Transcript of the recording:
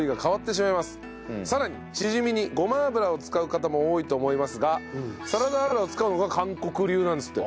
さらにチヂミにごま油を使う方も多いと思いますがサラダ油を使うのが韓国流なんですって。